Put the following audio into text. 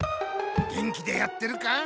元気でやってるか？